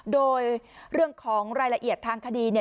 โดยเรื่องของรายละเอียดทางคดีเนี่ย